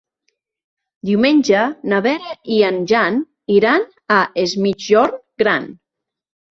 Diumenge na Vera i en Jan iran a Es Migjorn Gran.